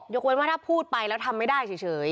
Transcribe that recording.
เว้นว่าถ้าพูดไปแล้วทำไม่ได้เฉย